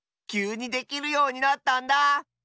きゅうにできるようになったんだ！